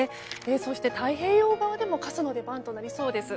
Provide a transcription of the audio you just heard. そして太平洋側でも傘の出番となりそうです。